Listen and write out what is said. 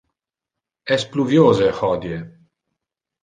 Es pluviose hodie.